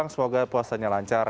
semoga puasanya lancar